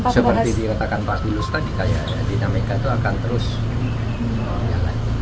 seperti dikatakan pak tulus tadi kayak dinamika itu akan terus jalan